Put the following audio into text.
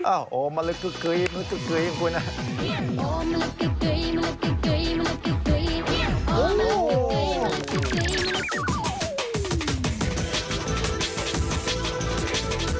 โอ้โหมะลึกกึ๊ยมะลึกกึ๊ยมะลึกกึ๊ย